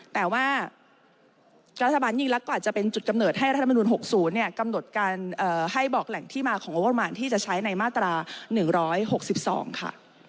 แต่ว่ารัฐบาลยิ่งรักก็อาจจะเป็นจุดกำเนิดให้รัฐมนุน๖๐กำหนดการให้บอกแหล่งที่มาของงบประมาณที่จะใช้ในมาตรา๑๖๒ค่ะ